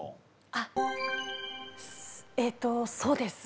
あえっとそうです。